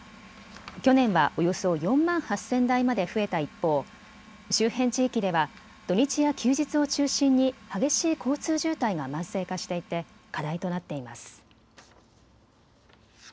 去年はおよそ４万８０００台まで増えた一方、周辺地域では土日や休日を中心に激しい交通渋滞が慢性化していて課題となっています。